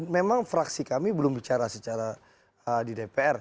memang fraksi kami belum bicara secara di dpr